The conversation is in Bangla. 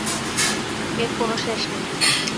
এর কোন শেষ নেই।